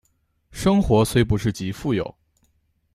生活虽不是极富有